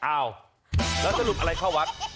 อ้าวแล้วสรุปอะไรเข้าวัด